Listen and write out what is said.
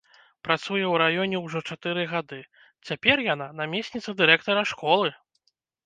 Працуе ў раёне ўжо чатыры гады, цяпер яна намесніца дырэктара школы!